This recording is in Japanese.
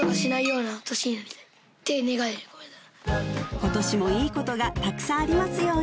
今年もいいことがたくさんありますように